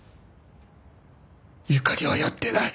ゆかりはやってない！